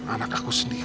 anak aku sendiri